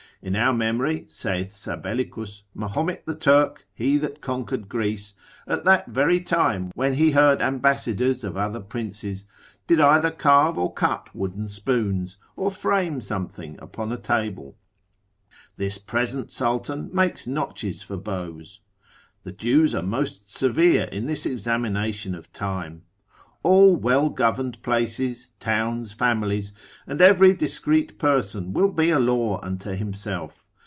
In our memory (saith Sabellicus) Mahomet the Turk, he that conquered Greece, at that very time when he heard ambassadors of other princes, did either carve or cut wooden spoons, or frame something upon a table. This present sultan makes notches for bows. The Jews are most severe in this examination of time. All well governed places, towns, families, and every discreet person will be a law unto himself.